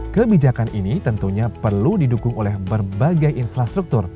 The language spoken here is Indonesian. kebijakan ini tentunya perlu didukung oleh berbagai infrastruktur